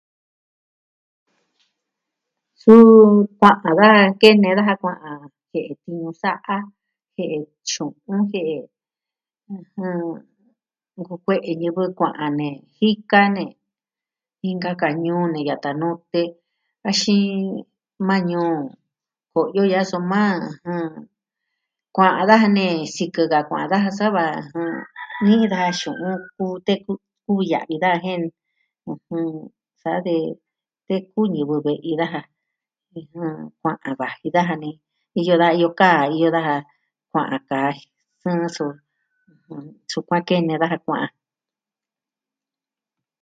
Suu, kua'an da kene daja kua'an ke'en tiñu sa'a, ke'en tyu'un, ke'en ɨjɨn... nku kue'e ñɨvɨ kua'an nejika ne inka ka ñuu ne yata nute axin maa Ñuu Ko'yo ya'a soma ɨjɨn, kua'an daja ne sikɨ da kuaan daja sava ɨjɨn... ni'i daja xu'un kuteku kuya'vi daja jen ɨjɨn... sa de teku ñɨvɨ ve'i daja ɨjɨn... kua'an vaji daja ne iyo da iyo kaa iyo daja kua'an ka sɨɨn su. Sukuan kene daja kua'an.